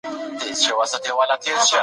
چاپیریال زموږ کړنې کنټرولوي.